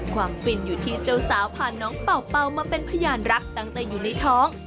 ฟินอยู่ที่เจ้าสาวพาน้องเป่ามาเป็นพยานรักตั้งแต่อยู่ในท้อง